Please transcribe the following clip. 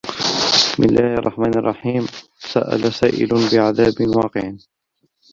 بِسمِ اللَّهِ الرَّحمنِ الرَّحيمِ سَأَلَ سائِلٌ بِعَذابٍ واقِعٍ